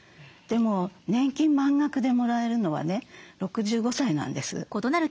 でも年金満額でもらえるのはね６５歳なんです。